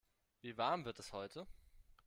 Wie warm wird es heute?